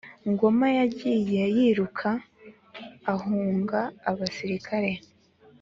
Ngoma yagiye yiruka ahunga abasirikare